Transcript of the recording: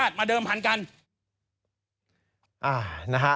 เตรียมเป็นทะเล